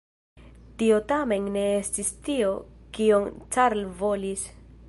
Tio tamen ne estis tio kion Carl volis.